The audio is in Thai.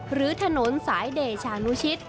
หรือถนนสายเดชานุชิต